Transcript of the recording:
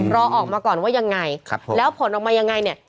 รอออกมาก่อนว่ายังไงแล้วผลออกมายังไงเนี่ย